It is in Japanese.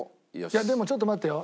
いやでもちょっと待ってよ。